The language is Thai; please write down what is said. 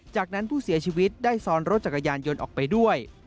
จากนั้นผู้เสียชีวิตได้ซ้อนรถจักรยานยนต์ออกไปด้วย